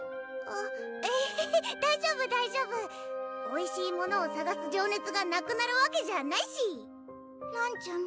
あっエヘヘ大丈夫大丈夫おいしいものをさがす情熱がなくなるわけじゃないしらんちゃん